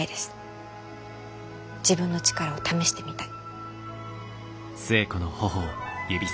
自分の力を試してみたい。